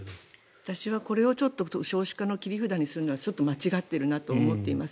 私はこれをちょっと少子化の切り札にするのは間違っているなと思っています。